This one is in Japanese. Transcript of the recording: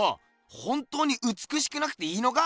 本当にうつくしくなくていいのか？